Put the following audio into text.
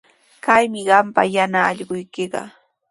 Kaymi qampa yana allquykiqa.